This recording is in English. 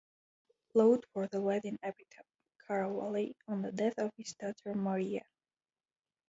Lowth wrote a Latin epitaph, "Cara, Vale" on the death of his daughter Maria.